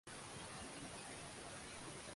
Mvua inanyesha kwa ujeuri.